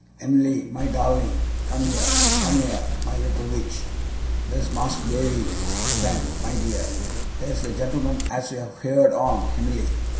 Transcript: Em'ly, my darling, come here! Come here, my little witch! There's Mas'r Davy's friend, my dear! There's the gent'lman as you've heerd on, Em'ly.